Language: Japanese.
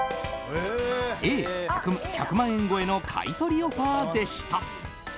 Ａ、１００万円超えの買い取りオファーでした。